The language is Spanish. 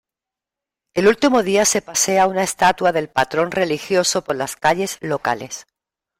El último día se pasea una estatua del patrón religioso por las calles locales.